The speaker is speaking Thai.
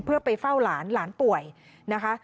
เพื่อไปเฝ้าหลานหลานป่วยนะคะ